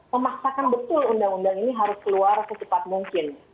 memaksakan betul undang undang ini harus keluar secepat mungkin